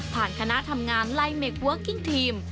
คณะทำงานไล่เมคเวิร์กกิ้งทีม